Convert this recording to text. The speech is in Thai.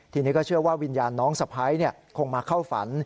ทีนี้ก็เชื่อว่าวิญญาณน้องสะพ้ายคงมาเข้าฝัน